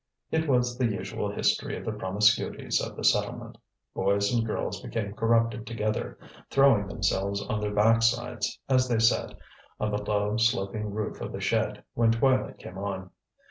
It was the usual history of the promiscuities of the settlement; boys and girls became corrupted together, throwing themselves on their backsides, as they said, on the low, sloping roof of the shed when twilight came on.